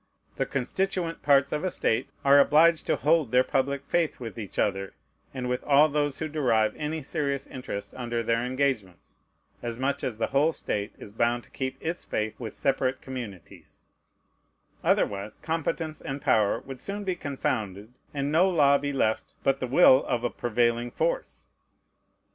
The constituent parts of a state are obliged to hold their public faith with each other, and with all those who derive any serious interest under their engagements, as much as the whole state is bound to keep its faith with separate communities: otherwise, competence and power would soon be confounded, and no law be left but the will of a prevailing force.